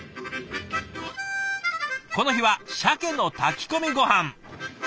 この日はシャケの炊き込みごはん。